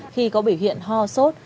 khi có biểu hiện ho sốt